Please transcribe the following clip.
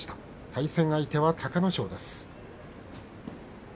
対戦相手は隆の勝です。